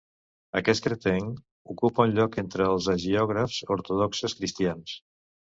Aquest cretenc ocupa un lloc entre els hagiògrafs Ortodoxes Cristians.